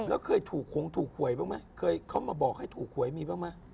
แล้วเคยถูกหงถูกหวยบ้างไหมเคยเขามาบอกให้ถูกหวยมีบ้างไหม